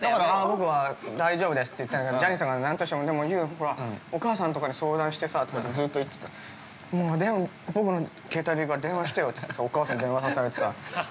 ◆僕は大丈夫ですって言ったんだけど、ジャニーさんが何としてもでも、ユー、お母さんとかに相談してさとかって、ずっと言ってて、でも、僕の携帯でいいから電話してよっつって、お母さんに電話されられてさ。